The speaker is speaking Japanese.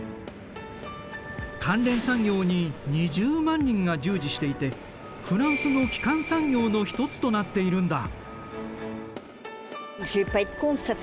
関連産業に２０万人が従事していてフランスの基幹産業の一つとなっているんだ。